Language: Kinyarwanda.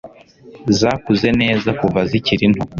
zakuze neza kuva zikiri nto